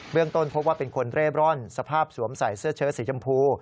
เรื่องต้นพบว่าเป็นคนเร่ร่อนสภาพสวมใส่เสื้อเชิดสีชมพู